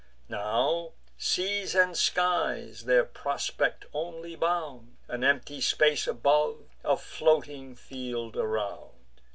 Now seas and skies their prospect only bound; An empty space above, a floating field around.